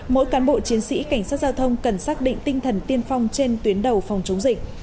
mỗi cán bộ chiến sĩ cảnh sát giao thông cần xác định tinh thần tiên phong trên tuyến đầu phòng chống dịch